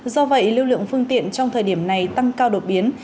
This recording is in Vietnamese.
do vậy lưu lượng phương tiện trong thời điểm này tăng cao đột biến